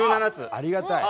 ありがたい。